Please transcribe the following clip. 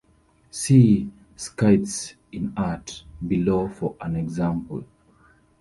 See "Scythes in art" below for an example.